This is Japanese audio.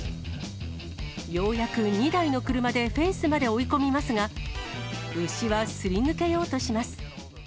ようやく２台の車でフェンスまで追い込みますが、牛はすり抜けようとします。